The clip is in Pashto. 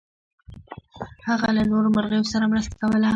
هغه له نورو مرغیو سره مرسته کوله.